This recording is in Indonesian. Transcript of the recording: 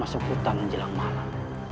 mereka mempelukan nota baik tutup kutop